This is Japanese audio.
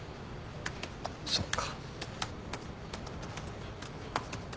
そっか。